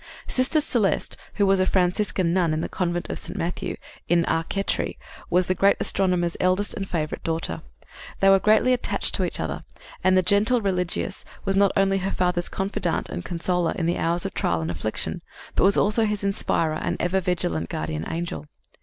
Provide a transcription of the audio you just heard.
Sister Celeste, who was a Franciscan nun in the convent of St. Matthew, in Arcetri, was the great astronomer's eldest and favorite daughter. They were greatly attached to each other, and the gentle religieuse was not only her father's confidante and consoler in the hours of trial and affliction, but was also his inspirer and ever vigilant guardian angel.